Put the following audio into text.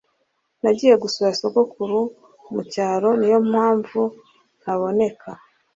nagiye gusura sogokuru mucyaro niyompamvu ntaboneka